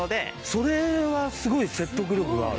それはすごい説得力がある。